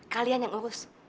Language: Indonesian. kalian yang urus